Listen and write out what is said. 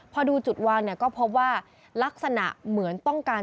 พอดูจุดวางเนี่ยก็พบว่าลักษณะเหมือนต้องการ